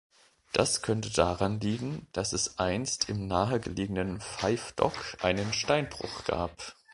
Das könnte daran liegen, dass es einst im nahe gelegenen Five Dock einen Steinbruch gab.